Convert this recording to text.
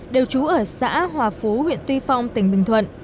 đều trú ở xã hòa phú huyện tuy phong tỉnh bình thuận